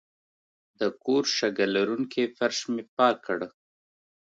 د کور شګه لرونکی فرش مې پاک کړ.